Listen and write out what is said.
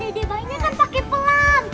dede bayinya kan pakai pelan